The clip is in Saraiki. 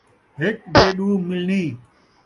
ہک دے ݙو مِلنیں